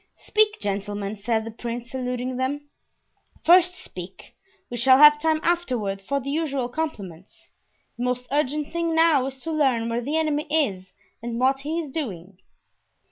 "Speak, gentlemen," said the prince, saluting them; "first speak; we shall have time afterward for the usual compliments. The most urgent thing now is to learn where the enemy is and what he is doing."